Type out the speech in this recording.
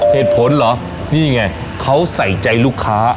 เหตุผลเหรอนี่ไงเขาใส่ใจลูกค้า